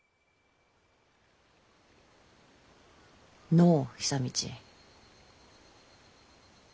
のう久通。